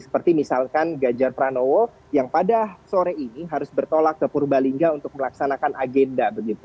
seperti misalkan gajar pranowo yang pada sore ini harus bertolak ke purbalingga untuk melaksanakan agenda